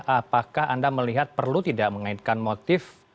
apakah anda melihat perlu tidak mengaitkan motif